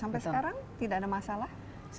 sampai sekarang tidak ada masalah